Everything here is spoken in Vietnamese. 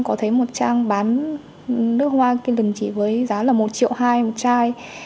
có thấy một trang bán nước hoa kỳ lần chỉ với giá là một triệu hai một chai